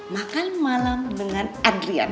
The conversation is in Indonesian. makan malam dengan adriana